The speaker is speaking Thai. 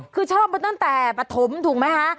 คือชอบมาตั้งแต่ปฐมถูกไหมคะ